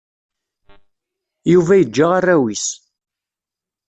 Yuba yeǧǧa arraw-is.